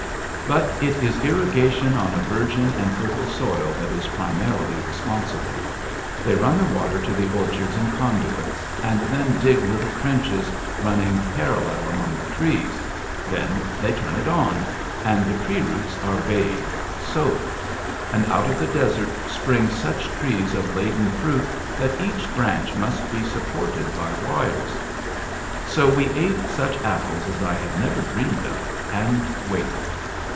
But it is irrigation on a virgin and fertile soil that is primarily responsible. They run the water to the orchards in conduits, and then dig little trenches, running parallel among the trees. Then they turn it on, and the tree roots are bathed, soaked. And out of the desert spring such trees of laden fruit that each branch must be supported by wires! So we ate such apples as I had never dreamed of, and waited.